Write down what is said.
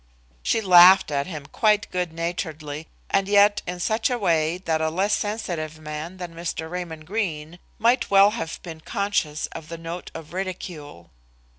She laughed at him quite good naturedly, and yet in such a way that a less sensitive man than Mr. Raymond Greene might well have been conscious of the note of ridicule.